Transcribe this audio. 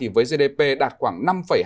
với gdp đạt khoảng năm hai